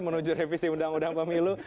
menuju revisi undang undang pemilu